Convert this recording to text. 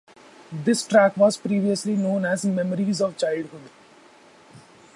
This track was previously known as "Memories of Childhood!".